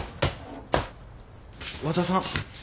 和田さん。